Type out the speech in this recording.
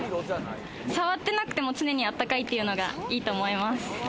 触ってなくても常にあったかいっていうのが、いいと思います。